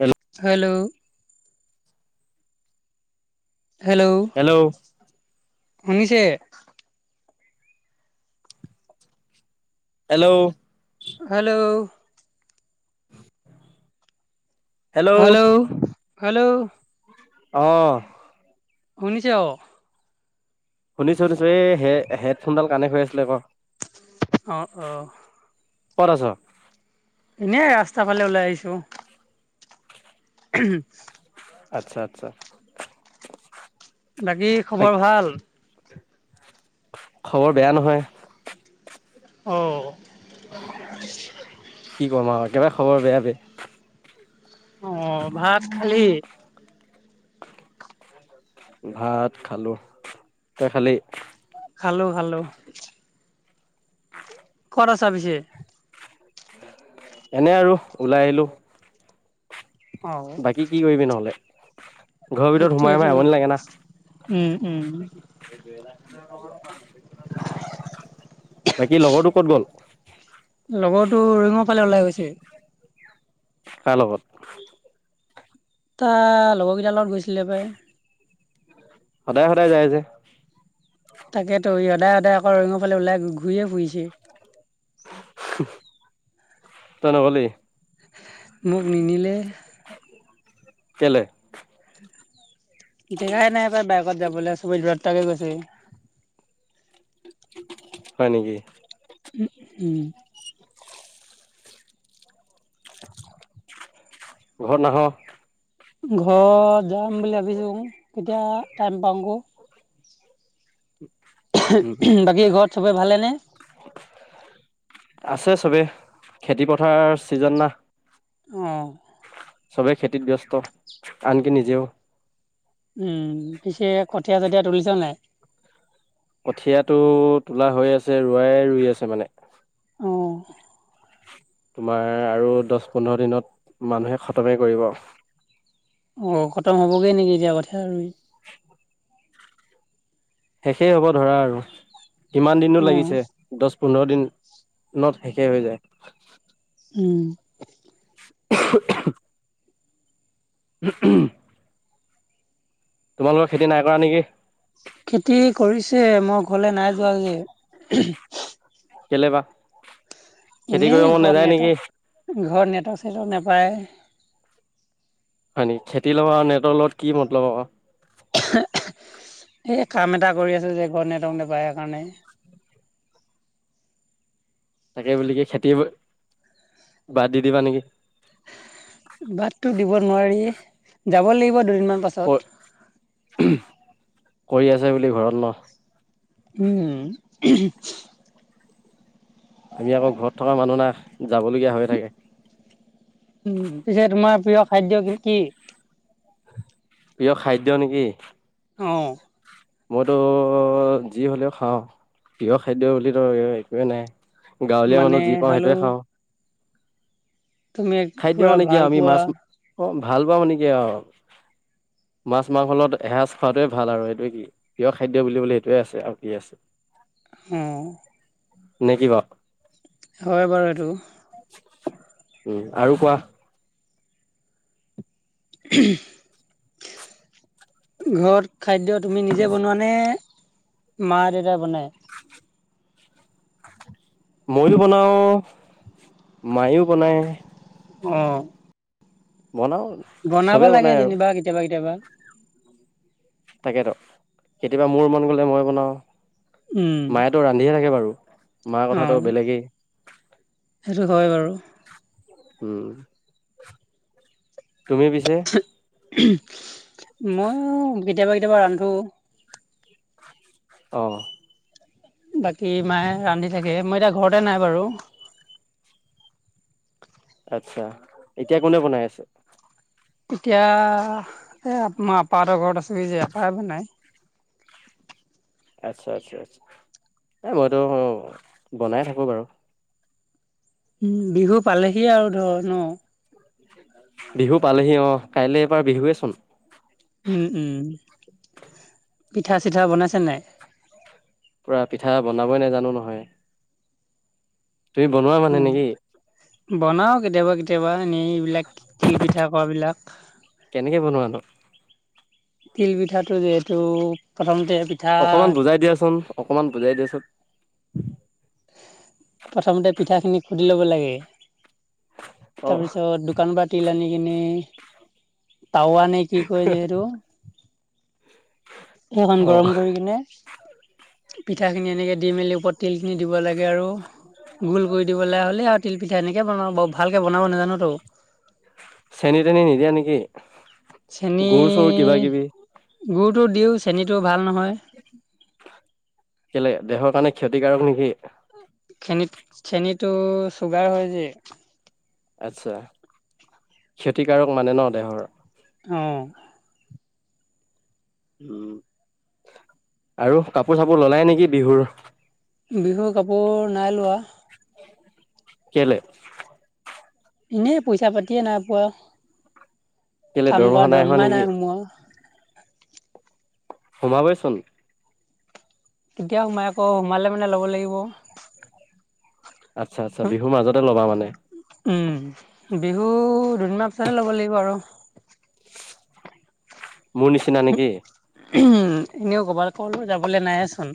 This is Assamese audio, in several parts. Hello hello. হেল্ল', শুনিছে? হেল্ল'। হেল্ল'। Hello -hello. অঁ। শুনিছে অ। শুনিছো শুনিছো এই হে হেডফোনডাল কানেক্ট হৈ আছিলে ক। অ অ কত আছ? এনেই ৰাস্তাৰ ফালে ওলাই আহিছোঁ। উমহুম আতচ্ছা আতচ্ছা। বাকী খবৰ ভাল? খবৰ বেয়া নহয়। অ। কি ক'ম আৰু একেবাৰে খবৰ বেয়া বে অ ভাত খালি? ভাত খালো, তই খালি? খালো খালো। ক'ত আছা পিছে? এনে আৰু ওলাই আহিলো অ বাকী কি কৰিবি নহ'লে? ঘৰৰ ভিতৰত সোমাই -সোমাই সেইটোয়েতো আমনি লাগে না উম উম বাকী লগৰটো ক'ত গ'ল। লগৰটো ৰৈঙৰ ফালে ওলাই গৈছে। কাৰ লগত। তা লগৰকেইটাৰ লগত গৈছিলে পাই সদায়- সদায় যায় যে তাকেতো ই সদায় সদায় অকল ৰইংৰ ফালে ওলাই ঘূৰিয়ে ফুৰিছে। তই নগলি। মোক নিনিলে কেলে। জেগাই নাই পাই বাইকত যাবলে, চবেই দুটা দুটাকে গৈছে। হয় নেকি। উম উম। ঘৰত নাহ। ঘৰত যাম বুলি ভাবিছো। কেতিয়া টাইম পাওঁ ক। উম ঘৰত চবেই ভালেনে আছে চবে খেতি পথাৰ চিজন না। অ, চবেই খেতিত ব্যস্ত আনকি নিজেও। উম পিছে কঠীয়া যতিয়া তুলিছা নাই। কঠিয়াটো তোলা হৈ আছে ৰোৱাই ৰুই আছে মানে। অঁ তোমাৰ আৰু দহ পোন্ধৰ দিনত মানুহে খতমেই কৰিব। অ খতম হবগৈ নেকি এতিয়া কঠিয়া ৰুই, শেষেই হ'ব ধৰা আৰু কিমান দিনো অঁ লাগিছে দহ, পোন্ধৰ দিনত ন শেষে হৈ যায়। উম [unintelligible] উ উম, তোমালোকৰ খেতি নাই কৰা নেকি। খেতি কৰিছে মই ঘৰলে নাই যোৱা যে। কেলে বা খেতি এনেই কৰিব মন ঘৰত নাযায় নেটৱৰ্ক নেকি। ঘৰত নেটক চেটক নাপায়। হয় নেকি খেতি লগত নেটৰ লগত কি মতলব আক, সে কাম এটা কৰি আছো যে ঘৰত নেটৱৰ্ক নেপাই সেই কাৰণে। তাকে বুলি কি খেতি বাদ দি দিবা নেকি। বাটটো দিব নোৱাৰি যাব লাগিব দুদিনমান পাছত। কৰি আছে বুলি ঘৰত ন। উম আমি আকৌ ঘৰত থকা মানুহ না যাবলগীয়া হৈ থাকে। উম পিছে তোমাৰ প্ৰিয় খাদ্য কি? প্ৰিয় খাদ্য নেকি। অ, মইতো যি হ'লেও খাওঁ প্ৰিয় খাদ্য বোলিতো একোৱেই নাই। গাঁৱলীয়া মানে মানুহ যি পাওঁ সেইটোৱে হ'লেও খাওঁ। তুমি খাদ্য পুৰা মানেকি ভাল আমি পোৱা মাছ অ ভাল পাওঁ মানেকি অও, মাছ মাংসলগত এসাঁজ খোৱাটোৱে ভাল আৰু এইটোয়ে কি। প্ৰিয় খাদ্য বুলিবলে সেইটোৱে আছে আৰু কি আছে। অ, নে কি‌ বাও। হয় বাৰু এইটো, উম আৰু কোৱা [inaudible] ঘৰত খাদ্য তুমি নিজে বনোৱা নে মা-দেতাই বনাই? [inaudible] ময়ো বনাওঁ মায়ো বনায়। অ বনাওঁ। বনাব লাগে যেনিবা কেতিয়াবা কেতিয়াবা। তাকেতো কেতিয়াবা মোৰ মন গ'লে মই বনাওঁ উম মায়েতো ৰান্ধিয়ে থাকে বাৰু মাৰ অ কথাটো বেলেগেই সেইটো হয় বাৰু উম তুমি পিছে মই কেতিয়াবা কেতিয়াবা ৰান্ধো অ', বাকী মায়ে ৰান্ধি থাকে মই এতিয়া ঘৰতে নাই বাৰু। আচ্ছা এতিয়া কোনে বনাই আছে? এতিয়া এই মই আপাহঁতৰ ঘৰত আছোঁহি যে আপাই বনাই। আচ্ছা আচ্ছা আচ্ছা এই মইতো বনাই থাকো বাৰু। উম বিহু পালেহিয়ে আৰু ধৰ ন। বিহু পালেহি অ', কাইলেপা বিহুৱেচোন। উম উম পিঠা-চিঠা বনাইছেন নাই। পূৰা পিঠা বনাবই নেজানো নহয়। তুমি বনোৱা অ মানে নেকি? বনাও কেতিয়াবা কেতিয়াবা এনেই এইবিলাক তিল পিঠা কৰা বিলাক। কেনেকে বনোৱা নো? তিল পিঠাটো যে এইটো প্ৰথমতে পিঠা অকমান বুজাই দিয়াচোন অকমান বুজাই দিয়াচোন প্ৰথমতে পিঠা খিনি ঘুটি ল'ব লাগে অ তাৰপিছত- দোকানপা তিল আনি কিনি টাৱা নে কি কয় যে সেইটো - হেখন অ গৰম কৰি কিনে পিঠাখিনি এনেকে দি মেলি ওপত- তিলখিনি দিব লাগে আৰু গোল কৰি দিব লাগে হ'লে আৰু তিল পি- তেনেকে বনাও বাউ ভালকে বনাব নাজানোতো। চেনি-তেনি নিদিয়া নেকি গুৰ-চুৰ কিবা কিবি। গুৰটো দিওঁ চেনিটো ভাল নহয়। কেলে দেহৰ কাৰণে ক্ষতিকাৰক নেকি। চেনী চেনীটো চুগাৰ হয় যে। আচ্ছা ক্ষতিকাৰক মানে ন দেহৰ- অ', উম আৰু কাপোৰ-চাপোৰ ল'লাই নেকি বিহুৰ? বিহুৰ কাপোৰ নাই লোৱা। কেলেই? এনেই পইচা পাতিয়ে নাই পোৱা, কেলে কাম কৰা দৰমহা হোৱা দৰমহাই নেকি নাই সোমোৱা। সোমাবইচোন। কেতিয়া সোমাই আকৌ সোমালে মানে ল'ব লাগিব। আচ্ছা আচ্ছা বিহু মাজতে লবা মানে। উম বিহু দুদিনমান পিছতে ল'ব লাগিব আৰু। মো নিচিনা নে কি? উম এনেও কৰ'বাত ক'লো যাবলৈ নায়েচোন।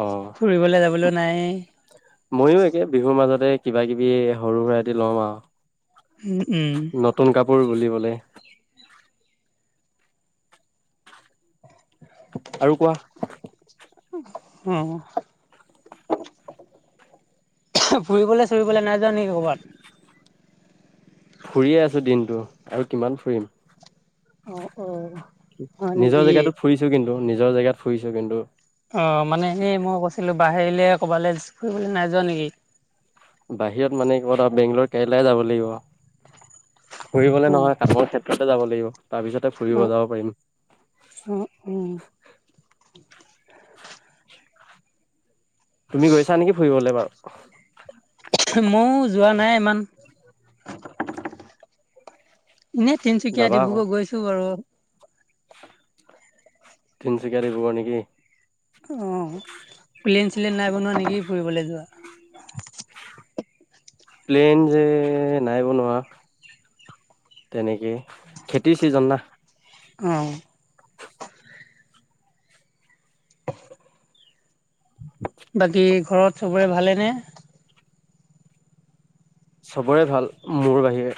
অ', যাবলৈ নাই ময়ো একে বিহুৰ মাজতে কিবা কিবি সৰু সুৰা এটি লম আৰু উম উম, নতুন কাপোৰ বুলিবলে, আৰু কোৱা। উম ফুৰিবলে-চুৰিবলে নাই যোৱা নেকি ক'ৰবাত? ফুৰিয়ে আছোঁ দিনটো আৰু কিমান ফুৰিম। অ', অ' নিজৰ জেগাতোত ফুৰিছো কিন্তু নিজৰ জেগাত ফুৰিছো কিন্তু। অ' মানে এই মই কৈছিলো বাহিৰলে ক'বালে ফুৰিবলে নাই যোৱা নেকি? বাহিৰত মানে কত আও বেংগলোৰ কেৰেলাই যাব লাগিব ফুৰিবলে অঁ নহয় কামৰ ক্ষেত্ৰত। পিতে যাব লাগিব তাৰ পিছতে ফুৰিব যাব পাৰিম। আহ উম, তুমি গৈছা নেকি ফুৰিবলৈ বাৰু মৌ যোৱা নাই ইমান, এনেই তিনচুকীয়া যাবা আকৌ ডিব্ৰুগড় গৈছো বাৰু, তিনচুকীয়া ডিব্ৰুগড় নেকি। অ প্লেইন চিলেইন নাই বনোৱা নেকি ফুৰিবলৈ যোৱা। প্লেন যে নাই বনোৱা। তেনেকে খেতিৰ ছিজন না, অ, [inaudible] [inaudible] বাকী ঘৰত চবৰে ভালেনে? চবৰে ভাল মোৰ বাহিৰে।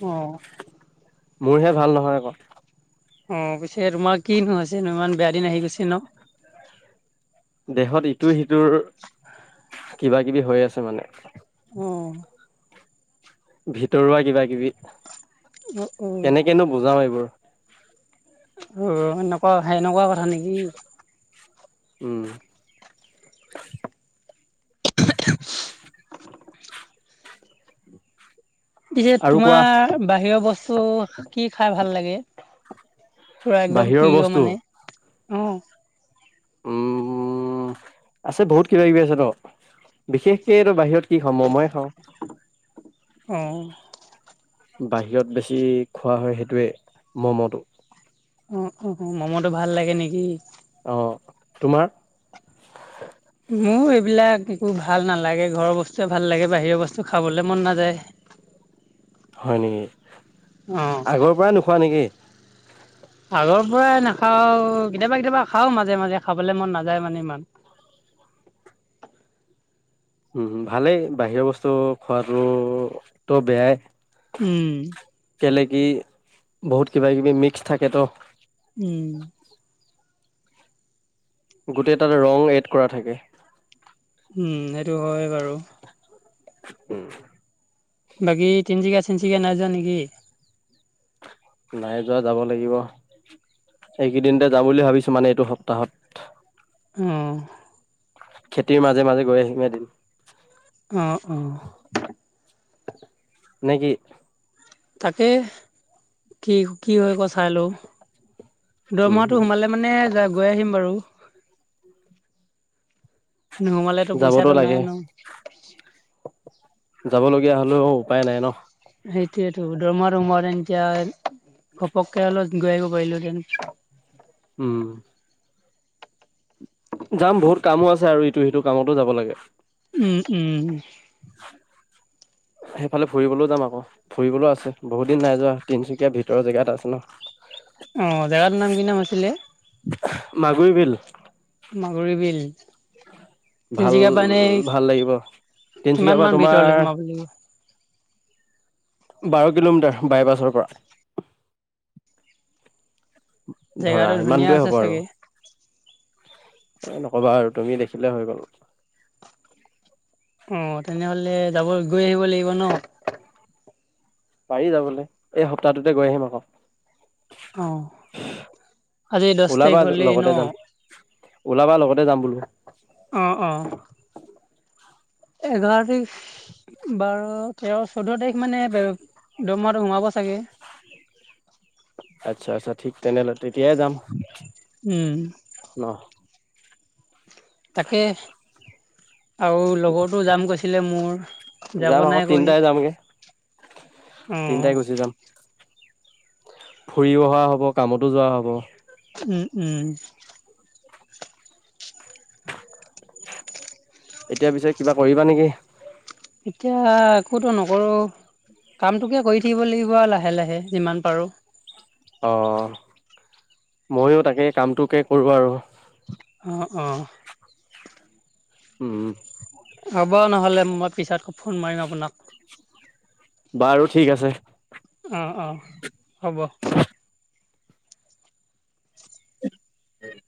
অ মোৰহে ভাল নহয় আক, অ পিছে তোমাৰ কি নোহ হৈছে নো ইমান বেয়া দিন আহি গৈছে নো। দেহত ইটো সিটোৰ, কিবা কিবি হৈ আছে মানে, অ ভিতৰুৱা কিবা কিবি অ অ কেনেকেনো বুজাও এইবোৰ, অ এনেকুৱা সেনেকুৱা কথা নেকি। [unintelligible] উম [unintelligible] পিছে আৰু কোৱা তোমাৰ বাহিৰৰ বস্তু কি খাই ভাল লাগে? পোৰা একদম বাহিৰৰ প্ৰিয় বস্তু মানে অ, উমম আছে বহুত কিবা কিবি আছে টো বিশেষকে ত বাহিৰত, কি খাম মম য়ে খাওঁ, অ, বাহিৰত বেছি খোৱা হয় সেইটোৱে মমটো, অ অ অ মমটো ভাল লাগে নেকি? অ তোমাৰ, মোৰ এইবিলাক একো ভাল নালাগে ঘৰৰ বস্তুয়ে ভাল লাগে বাহিৰৰ বস্তু খাবলৈ মন নাযায়। হয় নেকি অ আগৰ পৰা নোখোৱা নেকি? আগৰ পৰাই নাখাও কেতিয়াবা কেতিয়াবা খাও মাজে মাজে খাবলৈ মন নাযায় মানে ইমান, উ ভালেই বাহিৰৰ বস্তু খোৱাতো বেয়াই, উম কেলে কি বহুত কিবা কিবি মিক্স থাকেতো, উম, গোটেই তাত ৰং এড কৰা থাকে। উম, সেইটো হয় বাৰু। উম, বাকী তিনিচুকীয়া-চিনচুকীয়া নাই যোৱা নেকি? নাই যোৱা যাব লাগিব এইকেইদিনতে যাম বুলি ভাবিছো মানে এইটো সপ্তাহত, অ খেতিৰ মাজে মাজে গৈ আহিম এদিন, অ অ, নেকি? তাকে কি - কি হয় ক চাই লও। উম দৰমহাটো উম সোমালে মানে যাই গৈ আহিম বাৰু। নোহোমালেতো যাবতো পইচাটো নাই লাগে ন। যাবলগীয়া হলেও উপায় নাই ন। সেইটোৱেইতো দৰমহাটো সোমালে এতিয়া ঘপককে হ'লেও গৈ আহিব পাৰিলোহেতেন। উম, যাম বহুত কামো আছে আৰু ইটো-সিটো কামতো যাব লাগে। উম-উম। সেইফালে ফুৰিবলৈও যাম আকৌ। ফুৰিবলৈও আছে বহুত দিন নাই যোৱা তিনিচুকীয়া ভিতৰৰ জেগাত আছে ন। অ, জেগাটোৰ নাম কি নাম আছিলে? মাগুৰী বিল। মাগুৰী বিল। ভাল তিনিচুকীয়া পা এনেই ভাল লাগিব তিনচুকীয়াৰ কিমান পৰা মান তোমাৰ ভিতৰলে সোমাব লাগিব? বাৰ কিলোমিটাৰ বাইপাছৰ পৰা। ধৰা জেগাটো ধুনীয়া সিমানটোৱে আছে হ'ব চাগে আৰু। নকবা আৰু তুমি দেখিলে হৈ গল। অ, তেনেহলে যাব গৈ আহিব লাগিব ন। পাৰি যাবলৈ এই সপ্তাহটোতে গৈ আহিম আকৌ। অ, আজি দহ ওলাবা তাৰিখ হ'লেই লগতে ন? যাম ওলাবা লগতে যাম বোলো। অ', অ', এঘাৰ তাৰিখ বাৰ, তেৰ, চৈধ্য তাৰিখ মানে দৰমাহটো সোমাব চাগে। [inaudible] আচ্ছা-আচ্ছা ঠিক তেনেহ'লে তেতিয়াই যাম উম ন। তাকে আৰু লগৰতো যাম কৈছিলে মোৰ। যাব যাম আকৌ নাই কৈ তিনিটাই যামগে। অ' তিনিটাই গুচি যাম ফুৰিও অহা হব, কামতো যোৱা হব। উম-উম। এতিয়া পিছে কিবা কৰিবা নেকি? এতিয়া একোতো নকৰো। কামটোকে কৰি থাকিব লাগিব আৰু লাহে-লাহে যিমান পাৰো। অ, ময়ো তাকে কামটোকে কৰো আৰু। অ', অ', উম, হ'ব নহ'লে মই পিছত ফোন মাৰিম আপোনাক। বাৰু ঠিক আছে। অ', অ', হ'ব। উম,